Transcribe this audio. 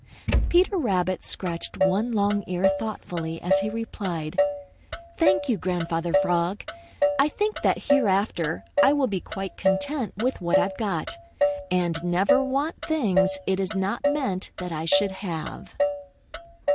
Peter Rabbit scratched one long ear thoughtfully as he replied: "Thank you, Grandfather Frog. I think that hereafter I will be quite content with what I've got and never want things it is not meant that I should have."